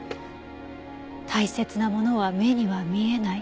「大切なものは目には見えない」。